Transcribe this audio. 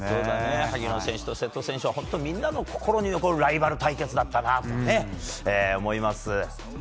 萩野選手と瀬戸選手はみんなの心に残るライバル対決だったなと思います。